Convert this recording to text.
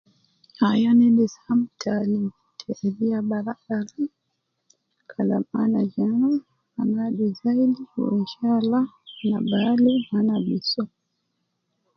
Aii, ana endis ham ta alim terebiya barabara ,kalam ana je ana, ana aju zaidi, wu inshallah ana bi alim, ana bi soo